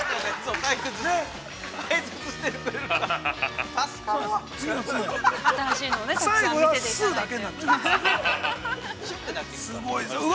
◆解説してくれる、助かるわ。